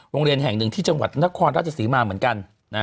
โรงเรียนแห่งหนึ่งที่จังหวัดนครราชศรีมาเหมือนกัน